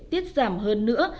tiết giảm hơn nữa